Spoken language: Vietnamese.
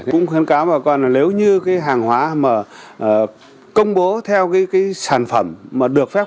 cũng khuyến cáo bà con là nếu như cái hàng hóa mà công bố theo cái sản phẩm mà được phép